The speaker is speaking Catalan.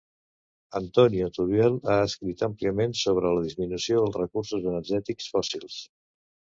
Antonio Turiel ha escrit àmpliament sobre la disminució dels recursos energètics fòssils